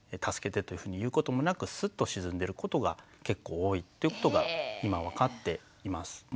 「助けて」というふうに言うこともなくスッと沈んでることが結構多いっていうことが今分かっています。